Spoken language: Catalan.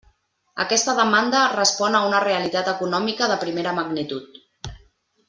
Aquesta demanda respon a una realitat econòmica de primera magnitud.